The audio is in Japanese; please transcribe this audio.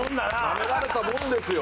なめられたもんですよ。